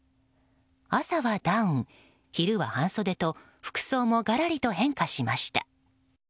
朝はダウン、昼は半袖と服装もがらりと変化しました。